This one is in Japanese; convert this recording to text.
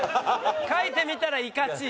書いてみたらいかちぃ。